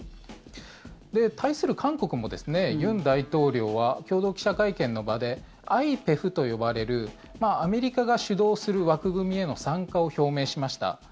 対する韓国も尹大統領は共同記者会見の場でＩＰＥＦと呼ばれるアメリカが主導する枠組みへの参加を表明しました。